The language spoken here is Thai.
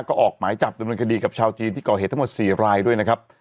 ก็ออกหมายจับดำเนินคดีกับชาวจีนที่ก่อเหตุทั้งหมด๔รายด้วยนะครับ